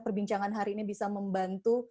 perbincangan hari ini bisa membantu